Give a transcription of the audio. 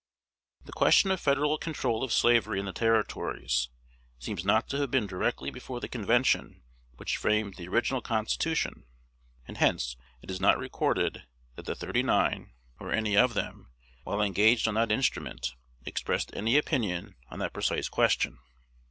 The question of Federal control of slavery in the Territories seems not to have been directly before the convention which framed the original Constitution; and hence it is not recorded that the "thirty nine," or any of them, while engaged on that instrument, expressed any opinion on that precise question.